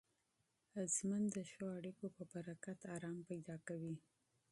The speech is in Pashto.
ژوند د ښو اړیکو په برکت ارام پیدا کوي.